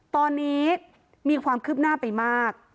ตอนนี้มีความคืบหน้าไปมาก